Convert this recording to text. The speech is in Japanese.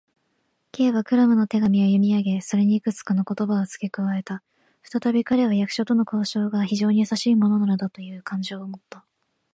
Ｋ はクラムの手紙を読みあげ、それにいくつかの言葉をつけ加えた。ふたたび彼は、役所との交渉が非常にやさしいものなのだという感情をもった。